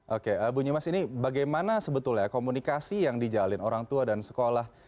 oke bunyi mas ini bagaimana sebetulnya komunikasi yang dijalin orang tua dan sekolah